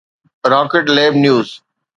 rocket Lab news